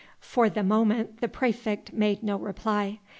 For the moment the praefect made no reply.